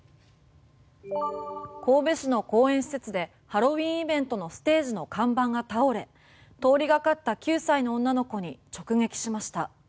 神戸市の公園施設でハロウィーンイベントのステージの看板が倒れ通りがかった９歳の女の子に直撃しました。